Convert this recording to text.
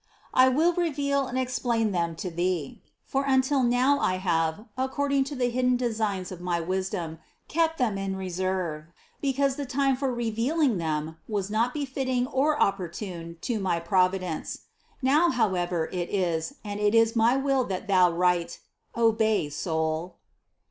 I will reveal and explain them to thee ; for until now I have, according to the hidden designs of my wisdom, kept them in reserve, because the time for revealing them was not befitting or opportune to my Providence. Now, however, it is, and it is my will that thou write. Obey, soul